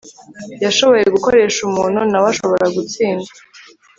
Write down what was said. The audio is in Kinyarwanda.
yashoboye gukoresha umuntu na we ashobora gutsinda